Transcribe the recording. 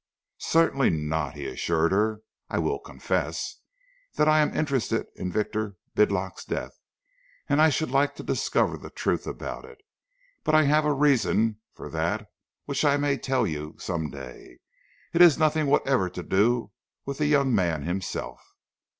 "Certainly not," he assured her. "I will confess that I am interested in Victor Bidlake's death, and I should like to discover the truth about it, but I have a reason for that which I may tell you some day. It has nothing whatever to do with the young man himself.